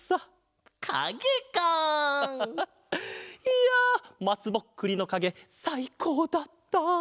いやまつぼっくりのかげさいこうだった。